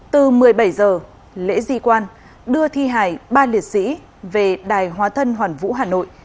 từ một mươi bảy h lễ di quan đưa thi hài ba liệt sĩ về đài hóa thân hoàn vũ hà nội